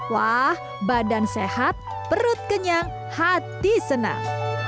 wah badan sehat perut kenyang hati senang